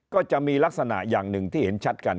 ก็จะมีลักษณะอย่างหนึ่งที่เห็นชัดกัน